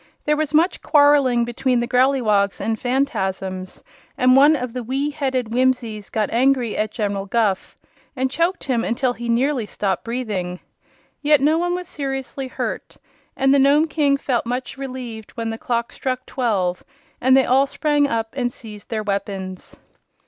There was much quarreling between the Growleywogs and Phanfasms, and one of the wee headed Whimsies got angry at General Guph and choked him until he nearly stopped breathing. Yet no one was seriously hurt, and the Nome King felt much relieved when the clock struck twelve and they all sprang up and seized their weapons.